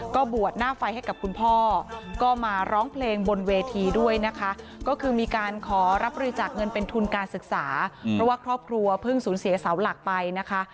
ก็บวชหน้าไฟให้กับคุณพ่อก็มาร้องเพลงบนเวทีด้วยนะคะก็คือมีการขอรับบริจาคเงินเป็นทุนการศึกษาเพราะว่าครอบครัวเพิ่งสูญเสียเสาหลักไปนะคะ